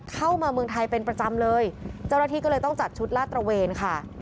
เข้ามาเมืองไทยเป็นประจำเลยเจ้าหน้าที่ก็เลยต้องจัดชุดลาดตระเวนค่ะ